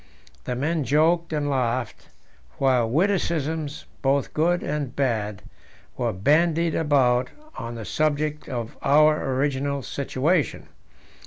The men joked and laughed, while witticisms, both good and bad, were bandied about on the subject of our original situation.